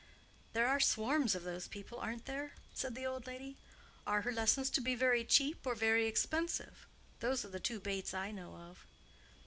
"There are swarms of those people, aren't there?" said the old lady. "Are her lessons to be very cheap or very expensive? Those are the two baits I know of."